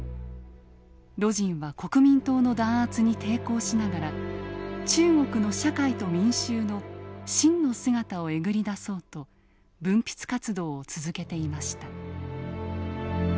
魯迅は国民党の弾圧に抵抗しながら中国の社会と民衆の真の姿をえぐり出そうと文筆活動を続けていました。